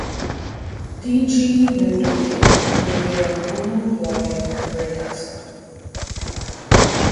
"D. g. mendotae" may be a homoploid hybrid taxon.